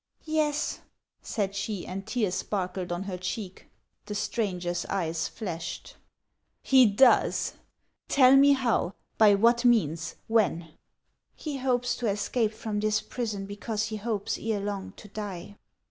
"Yes," said she, and tears sparkled on her cheek. The stranger's eves flashed. o72 HANS OF ICELAND " He does ! Tell me how ; by what means ; when !"" He hopes to escape from this prison because he hopes ere long to die."